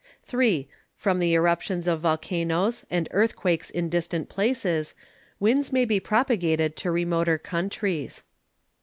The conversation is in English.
3. From the Eruptions of Vulcanoes and Earthquakes in distant Places, Winds may be propagated to remoter Countries.